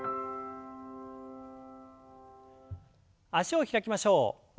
脚を開きましょう。